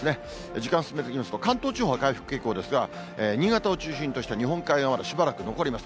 時間進めていきますと、関東地方は回復傾向ですが、新潟を中心とした日本海側、しばらく残ります。